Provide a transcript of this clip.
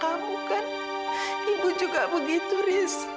kamu kan ibu juga begitu risk